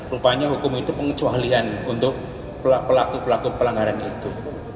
rupanya hukum itu pengecualian untuk pelaku pelaku pelanggaran itu